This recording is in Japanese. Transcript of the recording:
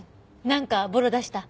なんかボロ出した？